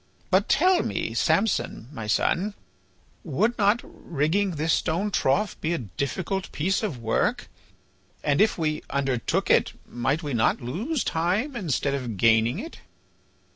"But tell me, Samson, my son, would not rigging this stone trough be a difficult piece of work? And if we undertook it might we not lose time instead of gaining it?"